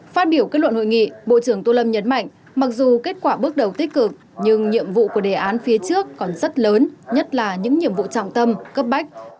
phát biểu kết luận hội nghị bộ trưởng tô lâm nhấn mạnh mặc dù kết quả bước đầu tích cực nhưng nhiệm vụ của đề án phía trước còn rất lớn nhất là những nhiệm vụ trọng tâm cấp bách